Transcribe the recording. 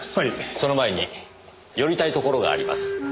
その前に寄りたい所があります。